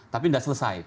tapi nggak selesai itu